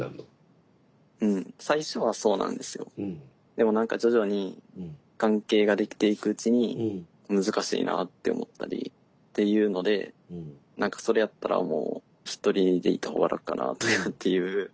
でも何か徐々に関係ができていくうちに難しいなって思ったりっていうので何かそれやったらもうひとりでいた方が楽かなとかっていう。